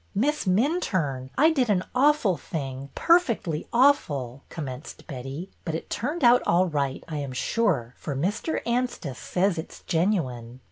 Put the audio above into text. Miss Minturne, I did an awful thing, per fectly awful,'' commenced Betty, but it turned out all right, I am sure, for Mr. Anstice says it 's genuine."